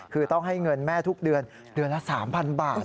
คือต้องให้เงินแม่ทุกเดือนเดือนละ๓๐๐๐บาทนะครับคุณ